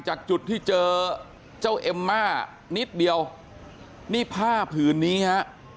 จากจุดที่เจอเจ้าเอ็มม่านิดเดียวนี่ผ้าผืนนี้ฮะ